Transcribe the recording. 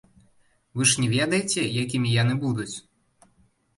Вы ж не ведаеце, якімі яны будуць?